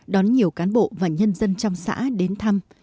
đón nhiều cán bộ và nhân dân trong xã đến thăm